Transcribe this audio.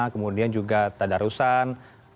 kemudian juga tadarusan